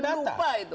jangan lupa itu